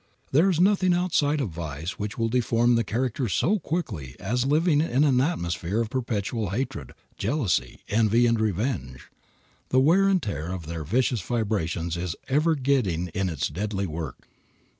There is nothing outside of vice which will deform the character so quickly as living in an atmosphere of perpetual hatred, jealousy, envy and revenge. The wear and tear of their vicious vibrations is ever getting in its deadly work.